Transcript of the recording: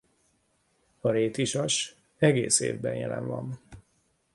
A rétisas egész évben jelen van.